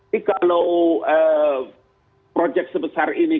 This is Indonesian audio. jadi kalau proyek sebesar ini